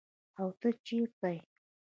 او ته چیرته ئي ؟